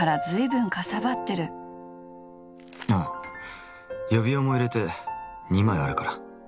ああ予備用も入れて２枚あるから。